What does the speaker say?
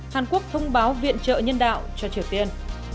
hàn quốc thông báo viện trợ nhân đạo cho triều tiên